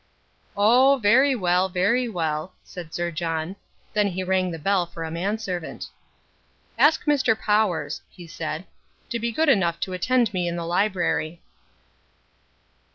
"Oh, very well, very well," said Sir John. Then he rang a bell for a manservant. "Ask Mr. Powers," he said, "to be good enough to attend me in the library."